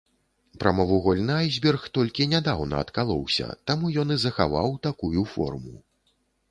Прамавугольны айсберг толькі нядаўна адкалоўся, таму ён і захаваў такую форму.